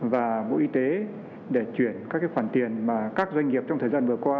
và bộ y tế để chuyển các khoản tiền mà các doanh nghiệp trong thời gian vừa qua